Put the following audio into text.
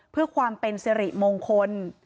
เพื่อความเป็นสิริมงคล